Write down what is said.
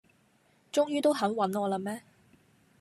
終於都肯搵我喇咩